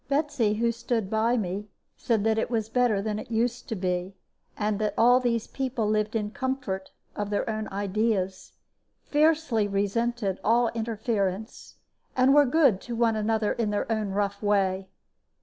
Betsy, who stood by me, said that it was better than it used to be, and that all these people lived in comfort of their own ideas, fiercely resented all interference, and were good to one another in their own rough way.